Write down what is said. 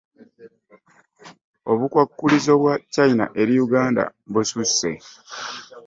Obukwakkulizo bwa China eri Uganda bususse.